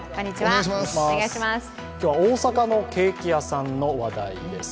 今日は大阪のケーキ屋さんの話題です。